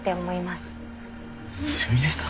すみれさん